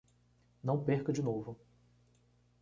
Não perca de novo